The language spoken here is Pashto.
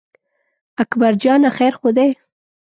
اکبر جانه خیر خو دی.